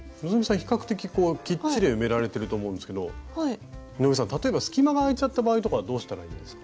比較的こうきっちり埋められてると思うんですけど井上さん例えば隙間が空いちゃった場合とかどうしたらいいんですか？